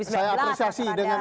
saya apresiasi dengan